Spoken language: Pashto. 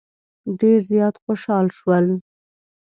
ډېر زیات خوشال شول.